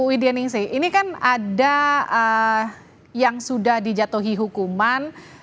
widya ningsi ini kan ada yang sudah dijatuhi hukuman